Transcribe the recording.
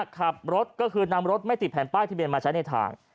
ขับรถก็คือนำรถไม่ติดแผ่นป้ายทะเบียนมาใช้ในทาง